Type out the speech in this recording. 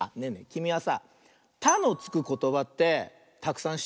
きみはさ「た」のつくことばってたくさんしってる？